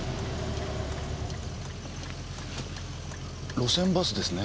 路線バスですね。